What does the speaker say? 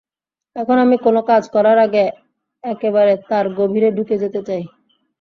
এখন আমি কোনো কাজ করার আগে একেবারে তার গভীরে ঢুকে যেতে চাই।